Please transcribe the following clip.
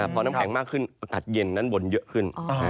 พอน้ำแข็งมากขึ้นอากาศเย็นนั้นวนเยอะขึ้น